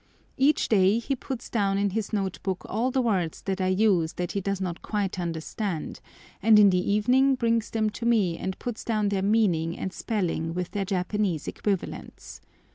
Each day he puts down in his note book all the words that I use that he does not quite understand, and in the evening brings them to me and puts down their meaning and spelling with their Japanese equivalents.